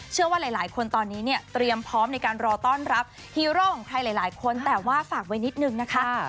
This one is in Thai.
เชื่อว่าหลายคนตอนนี้เนี่ยเตรียมพร้อมในการรอต้อนรับฮีโร่ของใครหลายคนแต่ว่าฝากไว้นิดนึงนะคะ